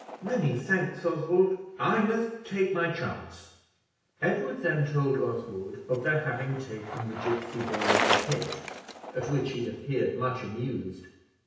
"Many thanks, Oswald; I must take my chance." Edward then told Oswald of their having taken the gipsy boy in the pit, at which he appeared much amused.